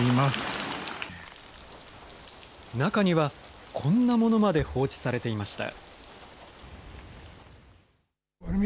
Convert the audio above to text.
中には、こんなものまで放置されていました。